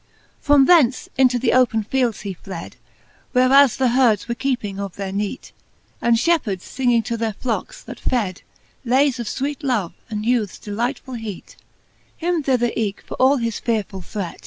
IV. From thence into the open fields he fled, Whereas the heardes were keeping of their neat, And fhepheards flnging to their flockes, that fed, Layes of fweet love, and youthes delightfull heat : Him thether eke, for all his fearefuU threat.